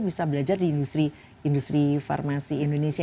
bisa belajar di industri farmasi indonesia